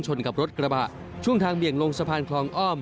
กับรถกระบะช่วงทางเบี่ยงลงสะพานคลองอ้อม